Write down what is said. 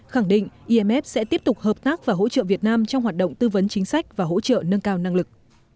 khẳng định imf sẽ tiếp tục hợp tác và hỗ trợ việt nam trong hoạt động tư vấn chính sách và hỗ trợ nâng cao năng lực